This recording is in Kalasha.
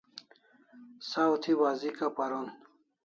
Saw thi wazika paron